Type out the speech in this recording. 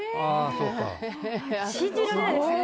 信じられないですね